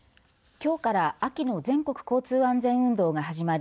きょうから秋の全国交通安全運動が始まり